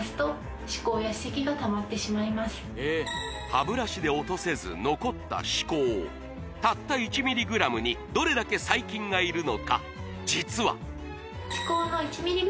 歯ブラシで落とせず残った歯垢たった１ミリグラムにどれだけ細菌がいるのか？